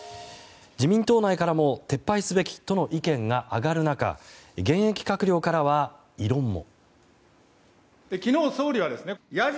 自民党内からも撤廃すべきとの意見が上がる中現役閣僚からは異論も。